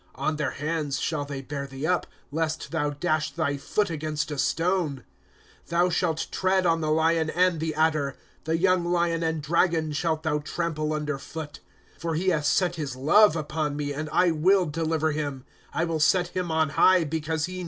'2 On their hands shall they bear thee up. Lest thou dash thy foot against a stone. 1* Thou shalt tread on the lion and the adder ; The youtig lion and dragon shalt thou trample under foot, » For he has set his love upon me, and I will deliver him ; I will set him on high, because he knows my name.